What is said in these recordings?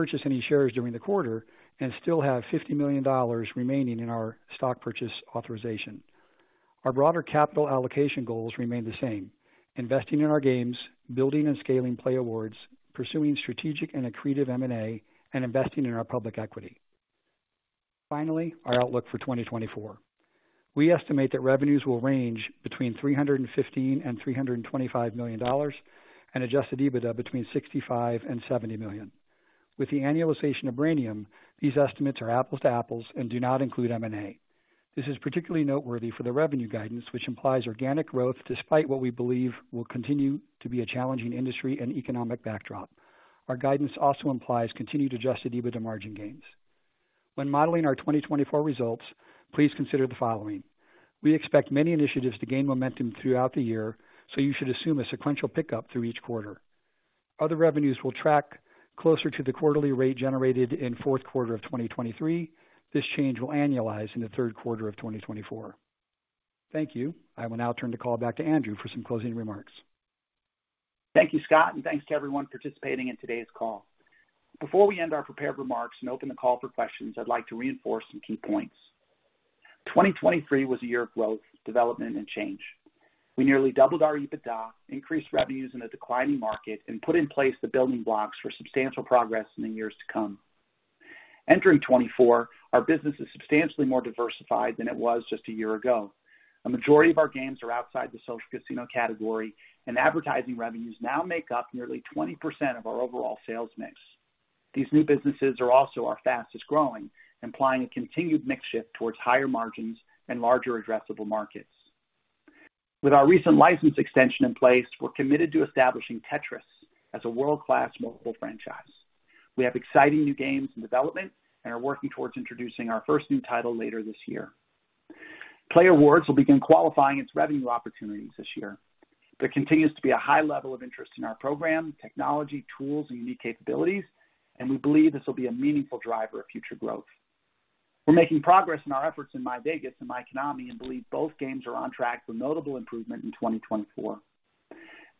purchase any shares during the quarter and still have $50 million remaining in our stock purchase authorization. Our broader capital allocation goals remain the same: investing in our games, building and scaling playAWARDS, pursuing strategic and accretive M&A, and investing in our public equity. Finally, our outlook for 2024. We estimate that revenues will range between $315 million-$325 million, and Adjusted EBITDA between $65 million-$70 million. With the annualization of Brainium, these estimates are apples to apples and do not include M&A. This is particularly noteworthy for the revenue guidance, which implies organic growth, despite what we believe will continue to be a challenging industry and economic backdrop. Our guidance also implies continued Adjusted EBITDA margin gains. When modeling our 2024 results, please consider the following. We expect many initiatives to gain momentum throughout the year, so you should assume a sequential pickup through each quarter. Other revenues will track closer to the quarterly rate generated in fourth quarter of 2023. This change will annualize in the third quarter of 2024. Thank you. I will now turn the call back to Andrew for some closing remarks. Thank you, Scott, and thanks to everyone participating in today's call. Before we end our prepared remarks and open the call for questions, I'd like to reinforce some key points. 2023 was a year of growth, development and change. We nearly doubled our EBITDA, increased revenues in a declining market, and put in place the building blocks for substantial progress in the years to come. Entering 2024, our business is substantially more diversified than it was just a year ago. A majority of our games are outside the social casino category, and advertising revenues now make up nearly 20% of our overall sales mix. These new businesses are also our fastest growing, implying a continued mix shift towards higher margins and larger addressable markets. With our recent license extension in place, we're committed to establishing Tetris as a world-class mobile franchise. We have exciting new games in development and are working towards introducing our first new title later this year. playAWARDS will begin qualifying its revenue opportunities this year. There continues to be a high level of interest in our program, technology, tools, and unique capabilities, and we believe this will be a meaningful driver of future growth. We're making progress in our efforts in myVEGAS and myKONAMI, and believe both games are on track for notable improvement in 2024.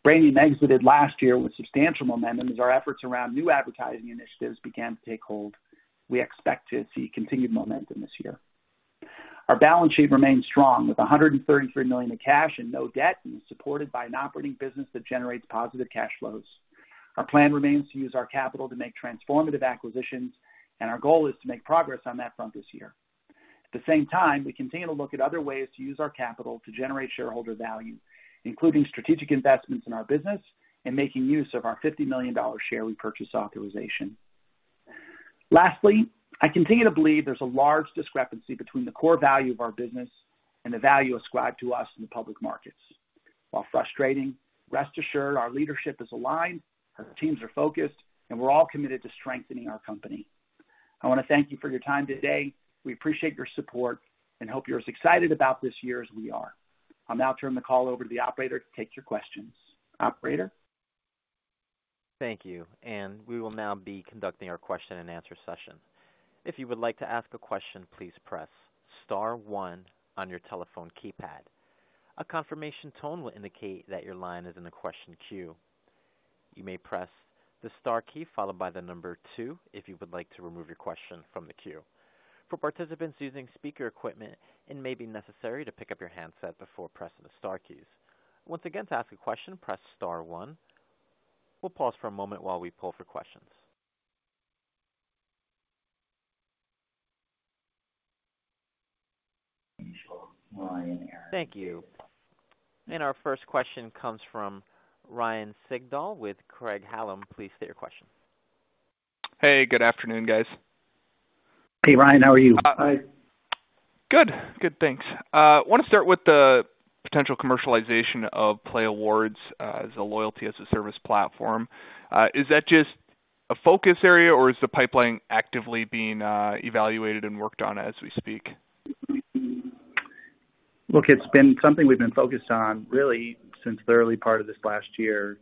Brainium exited last year with substantial momentum as our efforts around new advertising initiatives began to take hold. We expect to see continued momentum this year. Our balance sheet remains strong, with $133 million in cash and no debt, and is supported by an operating business that generates positive cash flows. Our plan remains to use our capital to make transformative acquisitions, and our goal is to make progress on that front this year. At the same time, we continue to look at other ways to use our capital to generate shareholder value, including strategic investments in our business and making use of our $50 million share repurchase authorization. Lastly, I continue to believe there's a large discrepancy between the core value of our business and the value ascribed to us in the public markets. While frustrating, rest assured, our leadership is aligned, our teams are focused, and we're all committed to strengthening our company. I want to thank you for your time today. We appreciate your support and hope you're as excited about this year as we are. I'll now turn the call over to the operator to take your questions. Operator? Thank you, and we will now be conducting our question-and-answer session. If you would like to ask a question, please press star one on your telephone keypad. A confirmation tone will indicate that your line is in the question queue. You may press the star key followed by the number two, if you would like to remove your question from the queue. For participants using speaker equipment, it may be necessary to pick up your handset before pressing the star keys. Once again, to ask a question, press star one. We'll pause for a moment while we pull for questions. Thank you. Our first question comes from Ryan Sigdahl with Craig-Hallum. Please state your question. Hey, good afternoon, guys. Hey, Ryan. How are you? Good. Good, thanks. I want to start with the potential commercialization of playAWARDS, as a loyalty, as a service platform. Is that just a focus area, or is the pipeline actively being, evaluated and worked on as we speak? Look, it's been something we've been focused on really since the early part of this last year.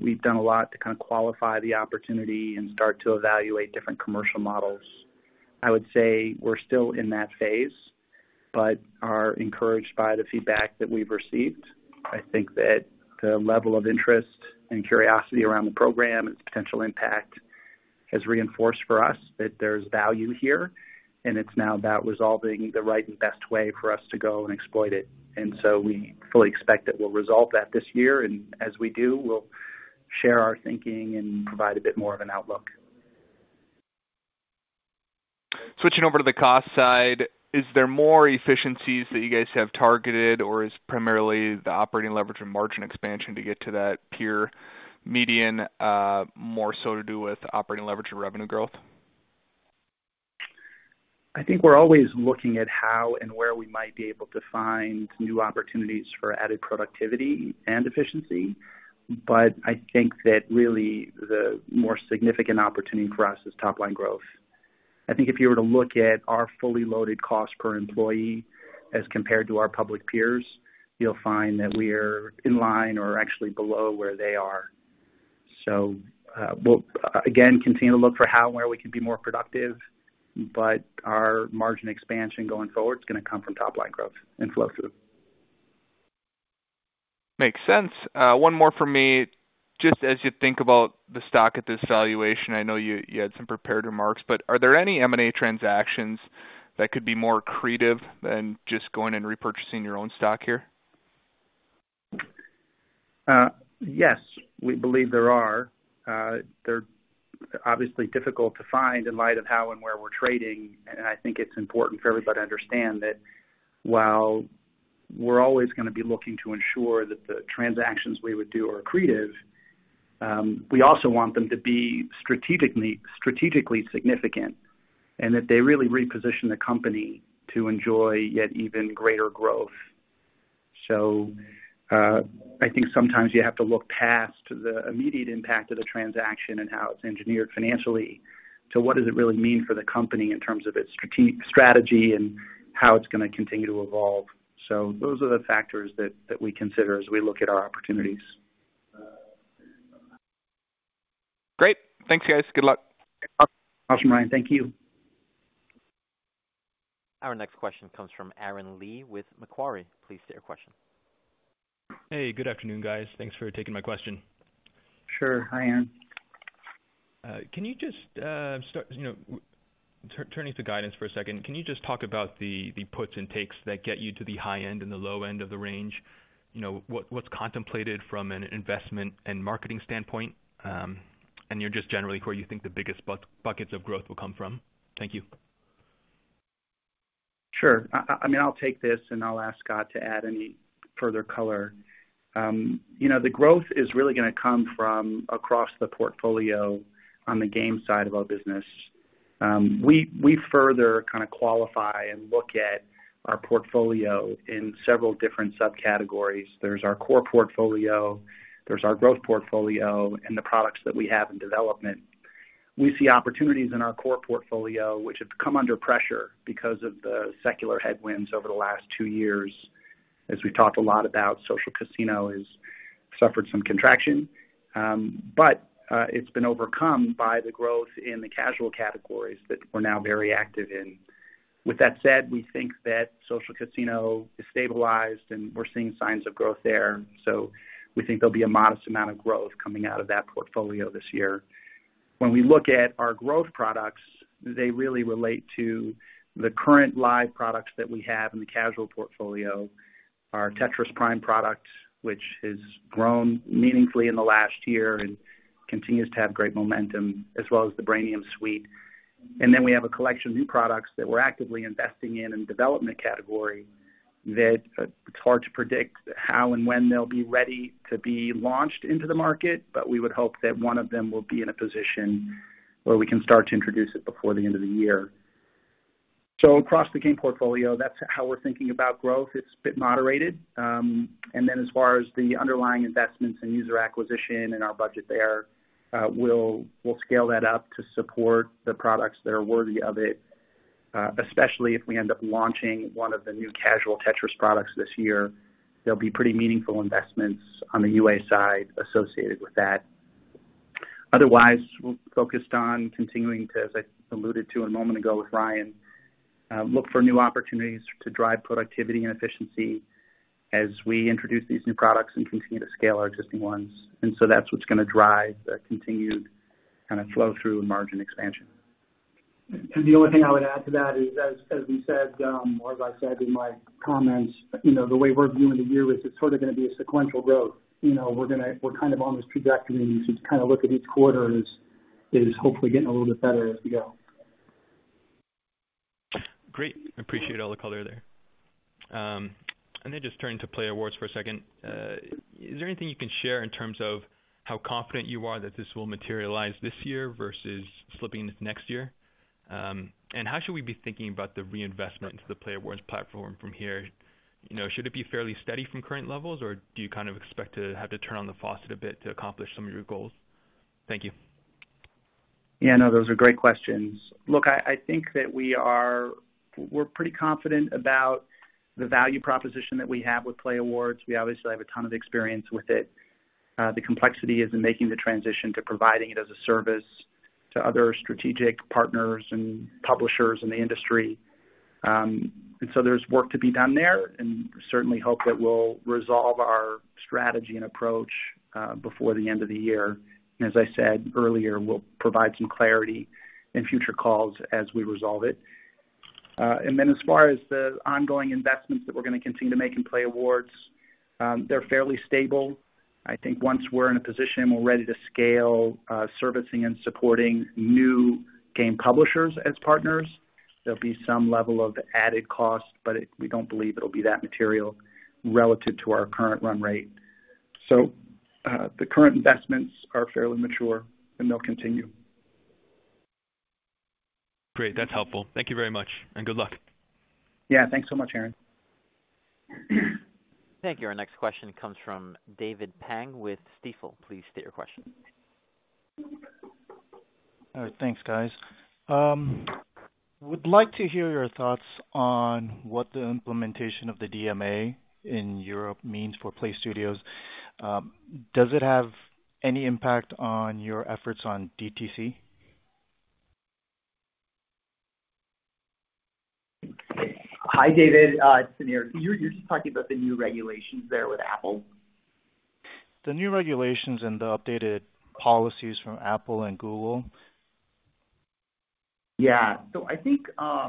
We've done a lot to kind of qualify the opportunity and start to evaluate different commercial models. I would say we're still in that phase, but are encouraged by the feedback that we've received. I think that the level of interest and curiosity around the program and its potential impact has reinforced for us that there's value here, and it's now about resolving the right and best way for us to go and exploit it. And so we fully expect that we'll resolve that this year, and as we do, we'll share our thinking and provide a bit more of an outlook. Switching over to the cost side, is there more efficiencies that you guys have targeted, or is primarily the operating leverage and margin expansion to get to that peer median, more so to do with operating leverage and revenue growth? I think we're always looking at how and where we might be able to find new opportunities for added productivity and efficiency, but I think that really the more significant opportunity for us is top line growth. I think if you were to look at our fully loaded cost per employee as compared to our public peers, you'll find that we're in line or actually below where they are. So, we'll, again, continue to look for how and where we can be more productive, but our margin expansion going forward is going to come from top line growth and flow through.... Makes sense. One more for me. Just as you think about the stock at this valuation, I know you, you had some prepared remarks, but are there any M&A transactions that could be more accretive than just going and repurchasing your own stock here? Yes, we believe there are. They're obviously difficult to find in light of how and where we're trading. I think it's important for everybody to understand that while we're always going to be looking to ensure that the transactions we would do are accretive, we also want them to be strategically significant, and that they really reposition the company to enjoy yet even greater growth. I think sometimes you have to look past the immediate impact of the transaction and how it's engineered financially to what does it really mean for the company in terms of its strategy and how it's going to continue to evolve. Those are the factors that we consider as we look at our opportunities. Great. Thanks, guys. Good luck. Awesome, Ryan. Thank you. Our next question comes from Aaron Lee with Macquarie. Please state your question. Hey, good afternoon, guys. Thanks for taking my question. Sure. Hi, Aaron. Can you just start, you know, turning to guidance for a second, can you just talk about the puts and takes that get you to the high end and the low end of the range? You know, what's contemplated from an investment and marketing standpoint, and you're just generally where you think the biggest buckets of growth will come from? Thank you. Sure. I mean, I'll take this, and I'll ask Scott to add any further color. You know, the growth is really going to come from across the portfolio on the game side of our business. We further kind of qualify and look at our portfolio in several different subcategories. There's our core portfolio, there's our growth portfolio, and the products that we have in development. We see opportunities in our core portfolio, which have come under pressure because of the secular headwinds over the last two years. As we've talked a lot about, social casino has suffered some contraction, but it's been overcome by the growth in the casual categories that we're now very active in. With that said, we think that social casino is stabilized, and we're seeing signs of growth there. So we think there'll be a modest amount of growth coming out of that portfolio this year. When we look at our growth products, they really relate to the current live products that we have in the casual portfolio. Our Tetris Prime product, which has grown meaningfully in the last year and continues to have great momentum, as well as the Brainium suite. And then we have a collection of new products that we're actively investing in development category, that it's hard to predict how and when they'll be ready to be launched into the market, but we would hope that one of them will be in a position where we can start to introduce it before the end of the year. So across the game portfolio, that's how we're thinking about growth. It's a bit moderated. And then as far as the underlying investments and user acquisition and our budget there, we'll scale that up to support the products that are worthy of it, especially if we end up launching one of the new casual Tetris products this year. There'll be pretty meaningful investments on the UA side associated with that. Otherwise, we're focused on continuing to, as I alluded to a moment ago with Ryan, look for new opportunities to drive productivity and efficiency as we introduce these new products and continue to scale our existing ones. And so that's what's going to drive the continued kind of flow through and margin expansion. The only thing I would add to that is, as we said, or as I said in my comments, you know, the way we're viewing the year is it's sort of going to be a sequential growth. You know, we're kind of on this trajectory to kind of look at each quarter, hopefully getting a little bit better as we go. Great. I appreciate all the color there. And then just turning to playAWARDS for a second. Is there anything you can share in terms of how confident you are that this will materialize this year versus slipping into next year? And how should we be thinking about the reinvestment into the playAWARDS platform from here? You know, should it be fairly steady from current levels, or do you kind of expect to have to turn on the faucet a bit to accomplish some of your goals? Thank you. Yeah, no, those are great questions. Look, I think that we are—we're pretty confident about the value proposition that we have with playAWARDS. We obviously have a ton of experience with it. The complexity is in making the transition to providing it as a service to other strategic partners and publishers in the industry. And so there's work to be done there, and certainly hope that we'll resolve our strategy and approach before the end of the year. As I said earlier, we'll provide some clarity in future calls as we resolve it. And then as far as the ongoing investments that we're going to continue to make in playAWARDS, they're fairly stable. I think once we're in a position and we're ready to scale, servicing and supporting new game publishers as partners, there'll be some level of added cost, but we don't believe it'll be that material relative to our current run rate. So, the current investments are fairly mature, and they'll continue. Great. That's helpful. Thank you very much, and good luck. Yeah. Thanks so much, Aaron. Thank you. Our next question comes from David Pang with Stifel. Please state your question. All right, thanks, guys. Would like to hear your thoughts on what the implementation of the DMA in Europe means for PLAYSTUDIOS. Does it have any impact on your efforts on DTC? ... Hi, David. It's Samir. So you, you're just talking about the new regulations there with Apple? The new regulations and the updated policies from Apple and Google. Yeah. So I think, I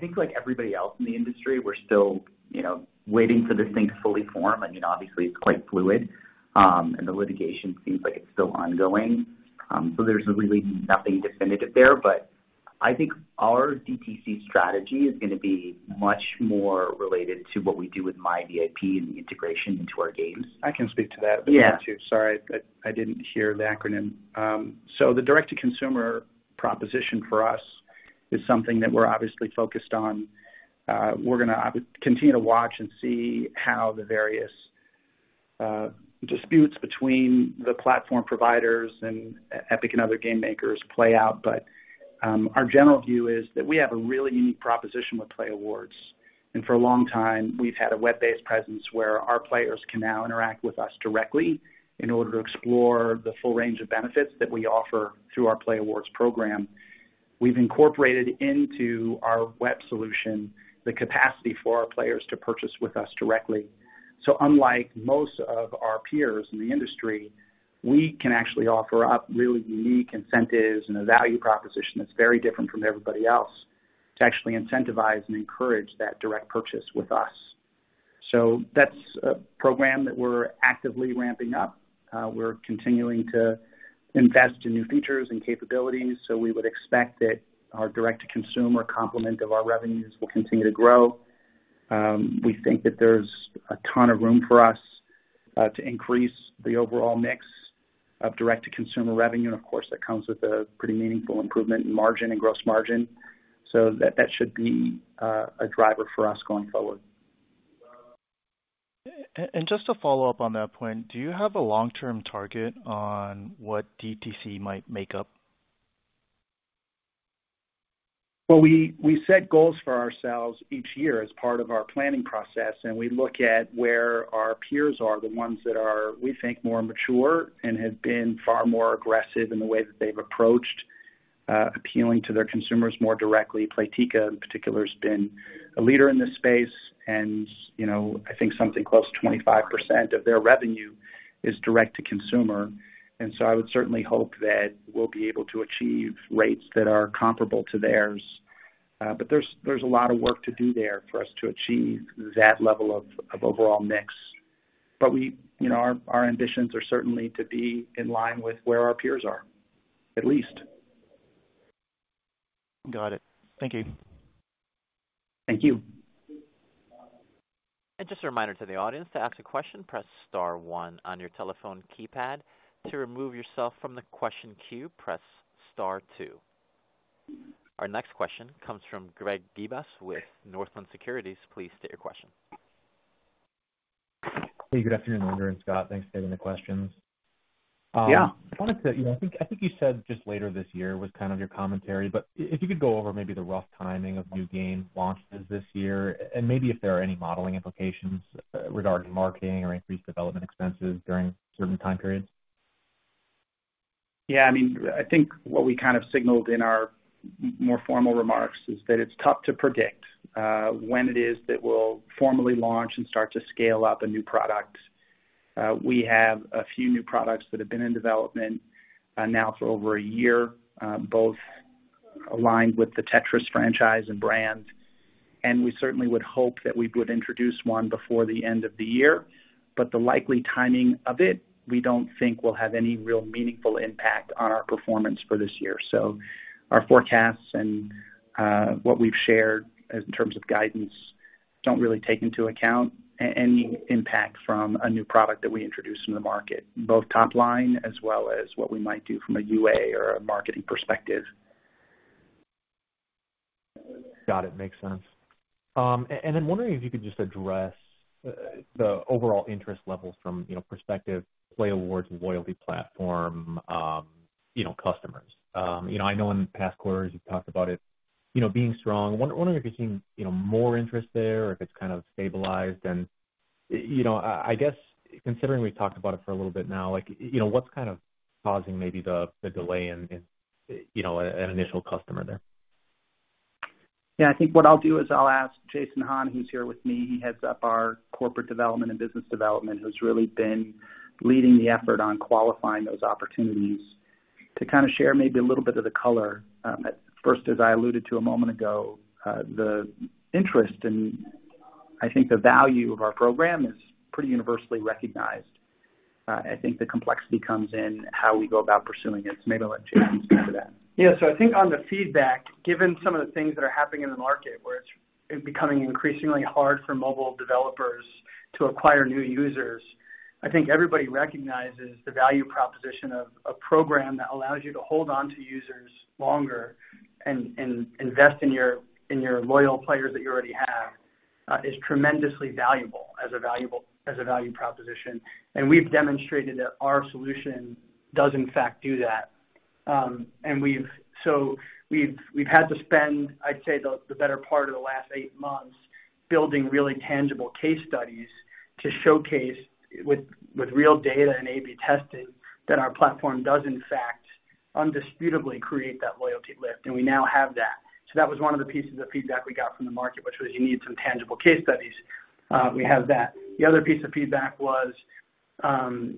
think like everybody else in the industry, we're still, you know, waiting for this thing to fully form. I mean, obviously, it's quite fluid, and the litigation seems like it's still ongoing. So there's really nothing definitive there. But I think our DTC strategy is going to be much more related to what we do with myVIP and the integration into our games. I can speak to that a bit, too. Yeah. Sorry, I, I didn't hear the acronym. So the direct-to-consumer proposition for us is something that we're obviously focused on. We're going to continue to watch and see how the various disputes between the platform providers and Epic and other game makers play out. But our general view is that we have a really unique proposition with playAWARDS. And for a long time, we've had a web-based presence where our players can now interact with us directly in order to explore the full range of benefits that we offer through our playAWARDS program. We've incorporated into our web solution the capacity for our players to purchase with us directly. So unlike most of our peers in the industry, we can actually offer up really unique incentives and a value proposition that's very different from everybody else to actually incentivize and encourage that direct purchase with us. So that's a program that we're actively ramping up. We're continuing to invest in new features and capabilities, so we would expect that our direct-to-consumer complement of our revenues will continue to grow. We think that there's a ton of room for us to increase the overall mix of direct-to-consumer revenue. And, of course, that comes with a pretty meaningful improvement in margin and gross margin. So that should be a driver for us going forward. And just to follow up on that point, do you have a long-term target on what DTC might make up? Well, we set goals for ourselves each year as part of our planning process, and we look at where our peers are, the ones that are, we think, more mature and have been far more aggressive in the way that they've approached appealing to their consumers more directly. Playtika, in particular, has been a leader in this space, and, you know, I think something close to 25% of their revenue is direct to consumer. And so I would certainly hope that we'll be able to achieve rates that are comparable to theirs. But there's, there's a lot of work to do there for us to achieve that level of, of overall mix. But we... You know, our, our ambitions are certainly to be in line with where our peers are, at least. Got it. Thank you. Thank you. Just a reminder to the audience, to ask a question, press star one on your telephone keypad. To remove yourself from the question queue, press star two. Our next question comes from Greg Gibas with Northland Securities. Please state your question. Hey, good afternoon, Andrew and Scott. Thanks for taking the questions. Yeah. I wanted to, you know, I think you said just later this year was kind of your commentary, but if you could go over maybe the rough timing of new game launches this year, and maybe if there are any modeling implications regarding marketing or increased development expenses during certain time periods. Yeah, I mean, I think what we kind of signaled in our more formal remarks is that it's tough to predict when it is that we'll formally launch and start to scale up a new product. We have a few new products that have been in development now for over a year, both aligned with the Tetris franchise and brand. And we certainly would hope that we would introduce one before the end of the year, but the likely timing of it, we don't think will have any real meaningful impact on our performance for this year. So our forecasts and what we've shared in terms of guidance don't really take into account any impact from a new product that we introduce in the market, both top line as well as what we might do from a UA or a marketing perspective. Got it. Makes sense. And I'm wondering if you could just address the overall interest levels from, you know, prospective playAWARDS and loyalty platform, you know, customers. You know, I know in past quarters, you've talked about it, you know, being strong. I wonder if you're seeing, you know, more interest there, or if it's kind of stabilized. And, you know, I guess, considering we've talked about it for a little bit now, like, you know, what's kind of causing maybe the delay in, you know, an initial customer there? Yeah, I think what I'll do is I'll ask Jason Hahn, who's here with me. He heads up our corporate development and business development, who's really been leading the effort on qualifying those opportunities to kind of share maybe a little bit of the color. First, as I alluded to a moment ago, the interest in, I think, the value of our program is pretty universally recognized. I think the complexity comes in how we go about pursuing it. So maybe I'll let Jason speak to that. Yeah, so I think on the feedback, given some of the things that are happening in the market, where it's becoming increasingly hard for mobile developers to acquire new users, I think everybody recognizes the value proposition of a program that allows you to hold on to users longer and invest in your loyal players that you already have, is tremendously valuable as a value proposition. And we've demonstrated that our solution does in fact do that. So we've had to spend, I'd say, the better part of the last 8 months building really tangible case studies to showcase with real data and A/B testing, that our platform does, in fact, undisputably create that loyalty lift, and we now have that. So that was one of the pieces of feedback we got from the market, which was you need some tangible case studies. We have that. The other piece of feedback was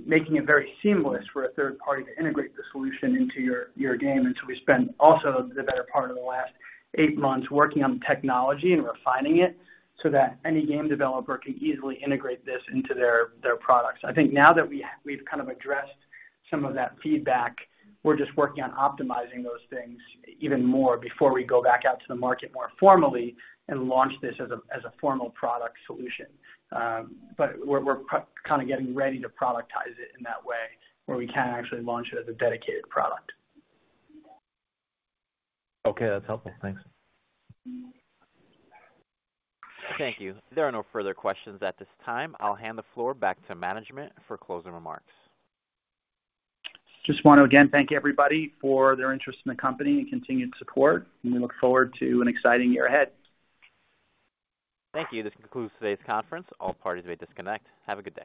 making it very seamless for a third party to integrate the solution into your, your game. And so we spent also the better part of the last eight months working on the technology and refining it, so that any game developer can easily integrate this into their, their products. I think now that we've kind of addressed some of that feedback, we're just working on optimizing those things even more before we go back out to the market more formally and launch this as a formal product solution. But we're, we're kind of getting ready to productize it in that way, where we can actually launch it as a dedicated product. Okay, that's helpful. Thanks. Thank you. There are no further questions at this time. I'll hand the floor back to management for closing remarks. Just want to again thank everybody for their interest in the company and continued support, and we look forward to an exciting year ahead. Thank you. This concludes today's conference. All parties may disconnect. Have a good day.